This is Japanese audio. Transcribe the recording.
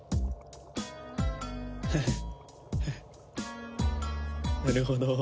ハハッなるほど。